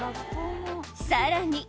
さらに。